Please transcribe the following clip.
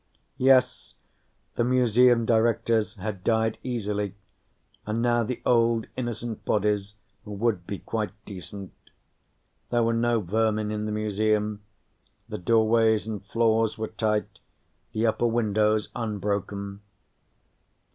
Yes, the Museum Directors had died easily, and now the old innocent bodies would be quite decent. There were no vermin in the Museum. The doorways and floors were tight, the upper windows unbroken.